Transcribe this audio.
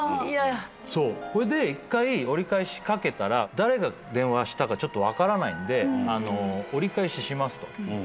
ほいで１回折り返しかけたら誰が電話したかちょっと分からないんで折り返ししますと。